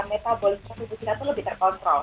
metabolisme tubuh kita itu lebih terkontrol